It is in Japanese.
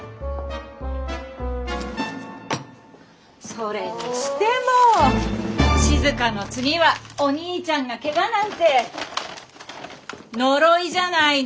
それにしても静の次はお兄ちゃんがけがなんて呪いじゃないの？